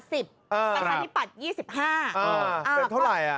สังฆิบัตร๒๕